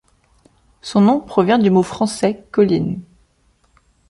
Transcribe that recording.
Son nom provient du mot français colline.